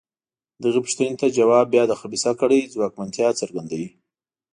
دغې پوښتنې ته ځواب بیا د خبیثه کړۍ ځواکمنتیا څرګندوي.